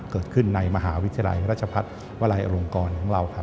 เกิดขึ้นในมหาวิทยาลัยราชพัฒน์วลัยอลงกรของเราครับ